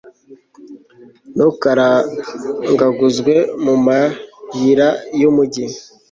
ntukarangaguzwe mu mayira y'umugi